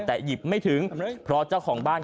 แต่หยิบไม่ถึงเพราะเจ้าของบ้าน